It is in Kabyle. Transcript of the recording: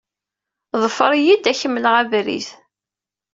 Ḍfer-iyi-d, ad ak-mleɣ abrid.